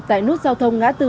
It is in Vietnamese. tại nút giao thông ngã tư